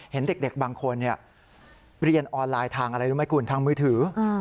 เห็นเด็กบางคนเรียนออนไลน์ทางอะไรรู้ไหมคุณทางมือถือ